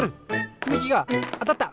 つみきがあたった！